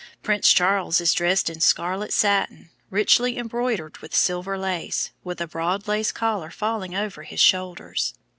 Prince Charles is dressed in scarlet satin, richly embroidered with silver lace, with a broad lace collar falling over his shoulders.